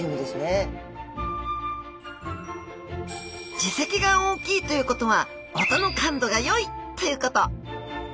耳石が大きいということは音の感度が良いということ